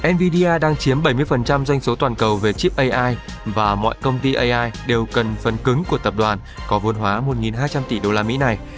nvidia đang chiếm bảy mươi doanh số toàn cầu về chip ai và mọi công ty ai đều cần phần cứng của tập đoàn có vô hóa một hai trăm linh tỷ đô la mỹ này